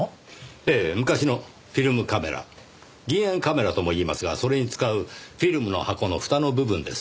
ええ昔のフィルムカメラ銀塩カメラとも言いますがそれに使うフィルムの箱のふたの部分です。